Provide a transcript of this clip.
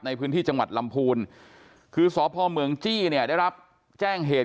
ในพื้นที่จังหวัดลำพูนคือสพเมืองจี้เนี่ยได้รับแจ้งเหตุ